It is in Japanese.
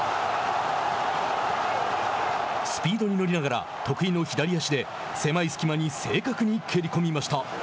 スピードに乗りながら得意の左足で狭い隙間に正確に蹴り込みました。